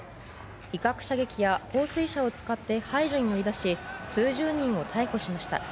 威嚇射撃や放水車を使って排除に乗り出し数十人を逮捕しました。